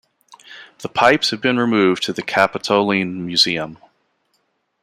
The pipes have been removed to the Capitoline Museum.